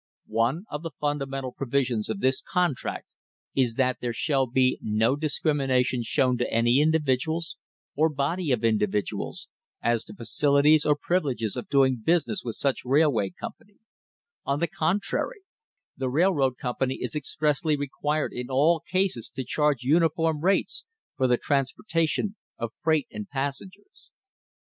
One of the funda mental provisions of this contract is that there shall be no discrimination shown to any individuals, or body of individuals, as to facilities or privileges of doing business with such railroad company; on the contrary, the railroad company is expressly required in all cases to charge uniform rates for the transportation of freight and passengers.